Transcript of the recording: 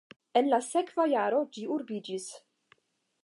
En la sekva jaro ĝi urbiĝis.